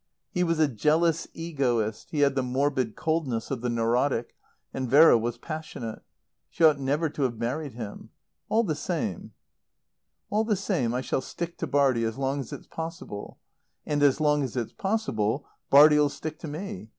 He was a jealous egoist; he had the morbid coldness of the neurotic, and Vera was passionate. She ought never to have married him. All the same " "All the same I shall stick to Bartie as long as it's possible. And as long as it's possible Bartie'll stick to me.